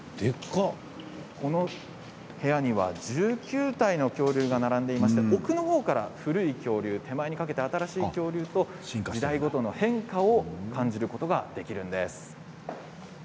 ここには１９体の恐竜が並んでいて奥の方から手前の方が新しい恐竜と時代ごとの変化を感じることができるんです。